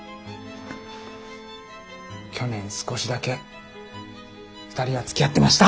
去年少しだけ２人はつきあってました。